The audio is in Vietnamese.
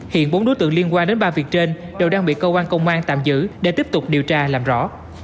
hiện bốn đối tượng liên quan đến ba việc trên đều đang bị cơ quan công an tạm giữ để tiếp tục điều tra làm rõ